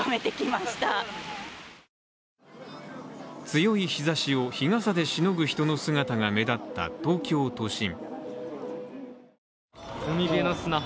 強い日ざしを日傘でしのぐ人の姿が目立った東京都心。